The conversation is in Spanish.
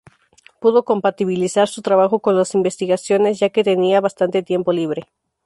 Pudo compatibilizar su trabajo con las investigaciones, ya que tenía bastante tiempo libre.